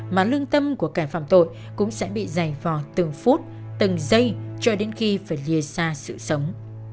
mà lương tâm của kẻ phạm tội cũng sẽ bị dày vào từng phút từng giây cho đến khi phải lìa xa sự sống